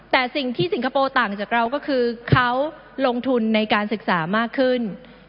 แต่สิ่งที่สิงคโปร์ต่างจากเราก็คือเขาลงทุนในการศึกษามากขึ้น